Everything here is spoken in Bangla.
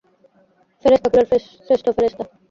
ফেরেশতাকুলের শ্রেষ্ঠ ফেরেশতা।